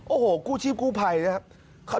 โอ้โหกู้ชีพกู้ภัยนะครับ